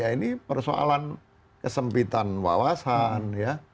ini persoalan kesempitan wawasan